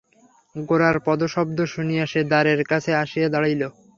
গোরার পদশব্দ শুনিয়া সে দ্বারের কাছে আসিয়া দাঁড়াইল।